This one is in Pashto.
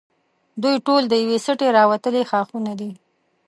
دوی ټول د یوې سټې راوتلي ښاخونه دي.